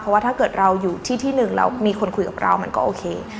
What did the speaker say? เพราะว่าถ้าเกิดเราอยู่ที่ที่หนึ่งแล้วมีคนคุยกับเรามันก็โอเค